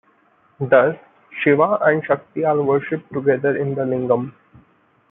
Thus, Shiva and Shakti are worshipped together in the Lingam.